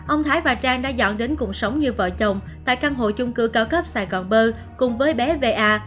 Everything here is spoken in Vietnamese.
ông thái và trang đã dọn đến cùng sống như vợ chồng tại căn hộ chung cư cao cấp sài gòn bơ cùng với bé va